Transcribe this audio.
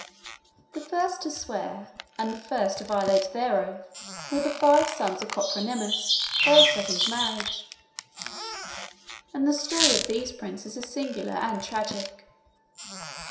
The first to swear, and the first to violate their oath, were the five sons of Copronymus by a second marriage; and the story of these princes is singular and tragic.